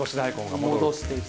戻していく。